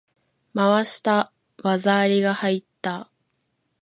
回した！技ありが入った！